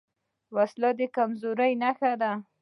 وسله د کمزورۍ نښه ده